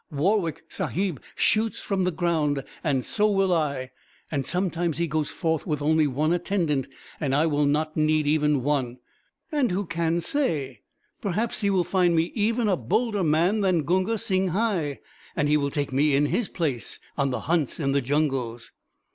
"Warwick Sahib shoots from the ground and so will I. And sometimes he goes forth with only one attendant and I will not need even one. And who can say perhaps he will find me even a bolder man than Gunga Singhai; and he will take me in his place on the hunts in the jungles."